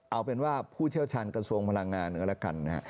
เอาเป็นว่าผู้เชี่ยวชาญกระทรวงพลังงานก็แล้วกันนะฮะ